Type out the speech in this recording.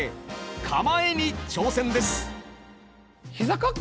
「構え」に挑戦です。